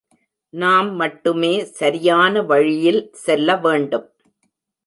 நாம் மட்டுமே சரியான வழியில் செல்ல வேண்டும்.